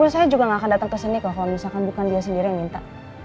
saya juga gak akan datang ke sini kalau misalkan bukan dia sendiri yang minta